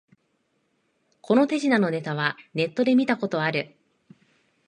この手品のネタはネットで見たことある